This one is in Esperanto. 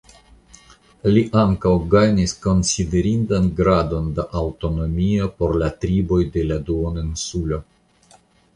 Li ankaŭ gajnis konsiderindan gradon da aŭtonomio por la triboj de la duoninsulo.